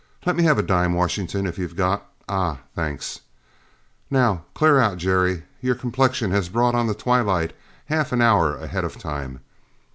Let me have a dime, Washington, if you've got ah, thanks. Now clear out, Jerry, your complexion has brought on the twilight half an hour ahead of time.